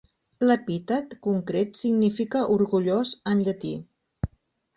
L'epítet concret significa "orgullós" en llatí.